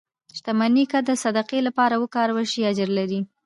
• شتمني که د صدقې لپاره وکارول شي، اجر لري.